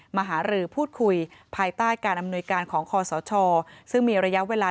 หารือพูดคุยภายใต้การอำนวยการของคอสชซึ่งมีระยะเวลา